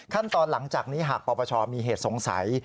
ขั้นตอนหลังจากนี้หากปรปชมีเหตุสงสัย